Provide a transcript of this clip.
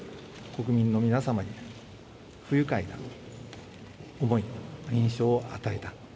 国民の皆様に不愉快な思い、印象を与えた。